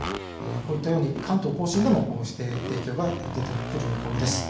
こういったように関東甲信でも影響が出てくる見込みです。